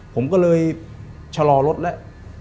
ผมก็เลยชะลอรถแล้ว